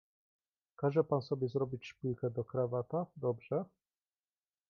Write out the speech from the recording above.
"Każe pan sobie zrobić szpilkę do krawata, dobrze?"